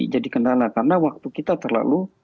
jadi kendala karena waktu kita terlalu